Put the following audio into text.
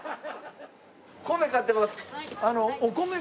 米買ってます！